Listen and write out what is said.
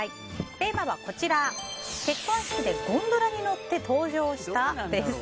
テーマは結婚式でゴンドラに乗って登場した？です。